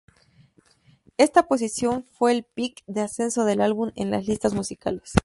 Esta posición fue el "peak" de ascenso del álbum en las listas musicales.